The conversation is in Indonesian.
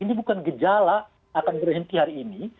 ini bukan gejala akan berhenti hari ini